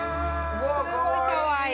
すごいかわいい。